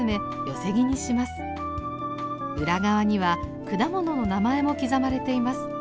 裏側には果物の名前も刻まれています。